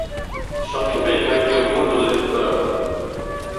সংক্ষেপে কয়েকটি অভিমত উল্লেখ করা হল।